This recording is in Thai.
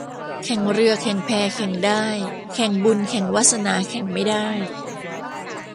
แข่งเรือแข่งแพแข่งได้ แข่งบุญแข่งวาสนาแข่งไม่ได้